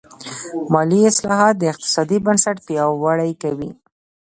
مالي اصلاحات د اقتصاد بنسټ پیاوړی کوي.